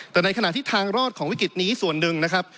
แต่ในขณะที่ทางรอดของวิกฤตนี้ส่วนหนึ่งนะครับ